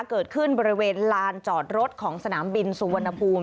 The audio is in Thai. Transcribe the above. เกิดขึ้นบริเวณลานจอดรถของสนามบินสุวรรณภูมิ